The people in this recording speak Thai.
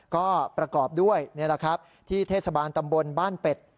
ก็ประกอบด้วยนี่แหละครับที่เทศบาลตำบลบ้านเป็ด